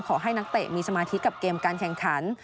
นักเตะมีสมาธิกับเกมการแข่งขัน